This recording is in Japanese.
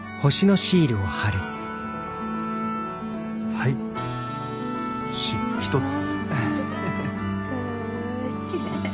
はい星１つ。